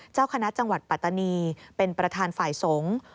เจ้าคณะจังหวัดปัตตานีเป็นประธานฝ่ายสงฆ์